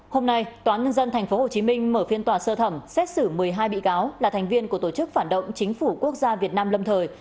hôm nay tòa án nhân dân tp hcm mở phiên tòa sơ thẩm xét xử một mươi hai bị cáo là thành viên của tổ chức phản động chính phủ quốc gia việt nam lâm thời